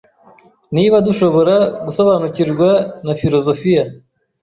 Niba dushobora gusobanukirwa na filozofiya